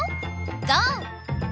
ゴー！